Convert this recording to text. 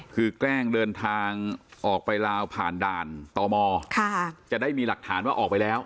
คือแกล้งเดินทางออกไปลาวผ่านด่านตมจะได้มีหลักฐานว่าออกไปแล้ว